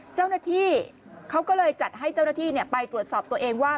เจ้าหน้าที่เขาก็เลยจัดให้เจ้าหน้าที่ไปตรวจสอบตัวเองว่า